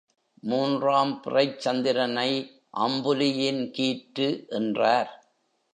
மூன்றாம் பிறைச் சந்திரனை அம்புலியின் கீற்று என்றார்.